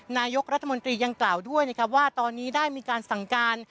นายกรัฐมนตรียังกล่าวด้วยนะครับว่าตอนนี้ได้มีการสั่งการ